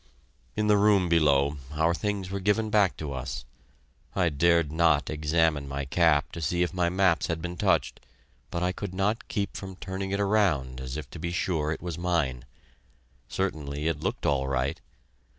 In the room below our things were given back to us. I dared not examine my cap to see if my maps had been touched, but I could not keep from turning it around as if to be sure it was mine. Certainly it looked all right.